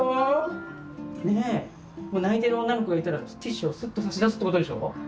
泣いてる女の子がいたらティッシュをすっと差し出すってことでしょ？